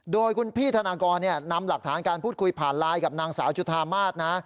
โดยคุณพี่ธนากรนำหลักฐานการพูดคุยผ่านไลน์กับนางสาวจุธามาศนะ